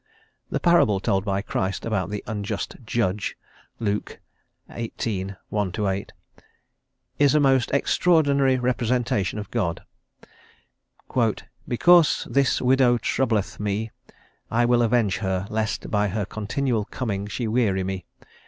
The parable told by Christ about the unjust judge (Luke xviii. 1 8) is a most extraordinary representation of God: "Because this widow troubleth me, I will avenge her, lest by her continual coming she weary me....